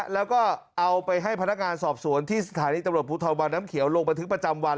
แล้วก็เอาไปให้พนักงานสอบสวนที่สถานีตำรวจภูทรวังน้ำเขียวลงบันทึกประจำวัน